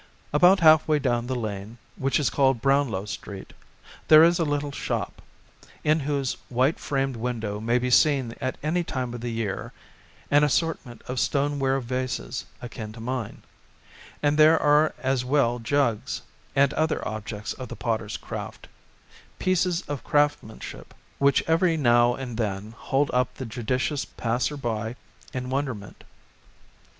About half way down the lane, which is called Brownlow Street, there is a little shop, in whose white framed window may be seen at any time of the year an assortment of stoneware vases akin to mine ; and there are as well jugs, and other objects of the potter's craft ; pieces of craftsmanship which every now and then hold up the judicious passer by in wonderment.